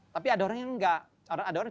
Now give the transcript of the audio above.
tapi ada orang yang enggak ada orang